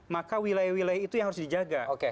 maka wilayah wilayah itu yang harus dijaga